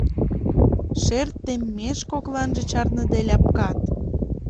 Шер темеш кокланже — чарныде ляпкат.